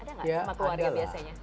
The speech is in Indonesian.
ada nggak sama keluarga biasanya